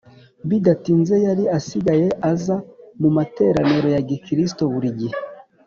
Bidatinze yari asigaye aza mu materaniro ya gikristo buri gihe